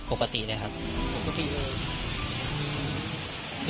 หนักหลักอะไรที่ให้ติดใจครับ